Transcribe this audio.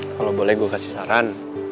kalau boleh gue kasih saran